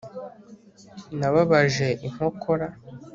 nababaje inkokora